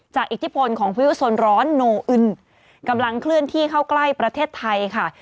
อิทธิพลของพายุโซนร้อนโนอึนกำลังเคลื่อนที่เข้าใกล้ประเทศไทยค่ะ